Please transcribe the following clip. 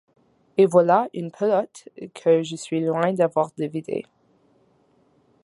Et voilà une pelote que je suis loin d’avoir dévidée…